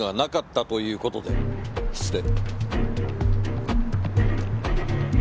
失礼。